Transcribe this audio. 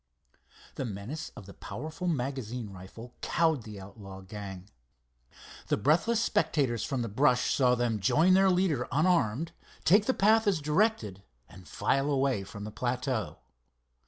The menace of the powerful magazine rifle cowed the outlaw gang. The breathless spectators from the brush saw them join their leader unarmed, take the path as directed, and file away from the plateau.